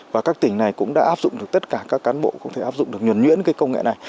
và các tỉnh này cũng đã áp dụng được tất cả các cán bộ không thể áp dụng được nhuẩn nhuyễn cái công nghệ này